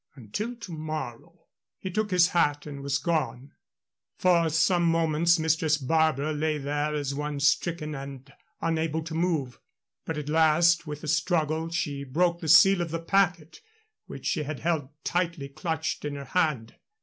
Until to morrow." He took his hat and was gone. For some moments Mistress Barbara lay there as one stricken and unable to move. But at last, with a struggle, she broke the seal of the packet which she had held tightly clutched in her hand.